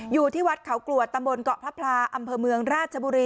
อยู่ที่วัดเขากรวดตำบลเกาะพระพลาอำเภอเมืองราชบุรี